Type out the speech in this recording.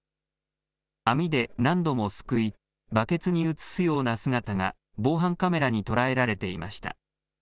網で何度もすくい、バケツに移すような姿が防犯カメラに捉えられていました。